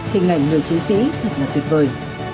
hình ảnh người chiến sĩ thật là tuyệt vời